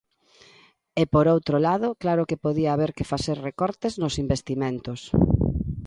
E por outro lado, claro que podía haber que facer recortes nos investimentos.